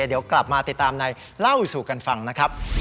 เดี๋ยวกลับมาติดตามในเล่าสู่กันฟังนะครับ